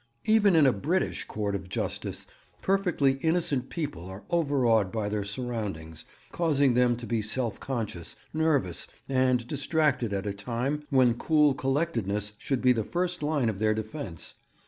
Even in a British court of justice perfectly innocent people are overawed by their surroundings, causing them to be self conscious, nervous, and distracted at a time when cool collectedness should be the first line of their defence.